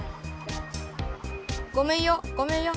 ごめんよごめんよ。